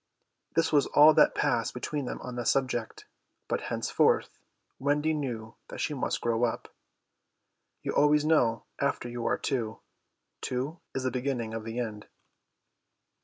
This was all that passed between them on the subject, but henceforth Wendy knew that she must grow up. You always know after you are two. Two is the beginning of the end.